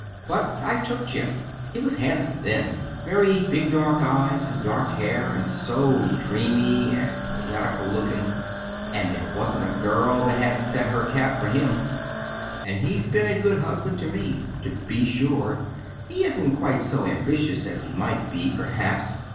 "But I took Jim. He was handsome then, very—big dark eyes and dark hair, and so dreamy and poetical looking; and there wasn't a girl that hadn't set her cap for him. And he's been a good husband to me. To be sure, he isn't quite so ambitious as he might be, perhaps.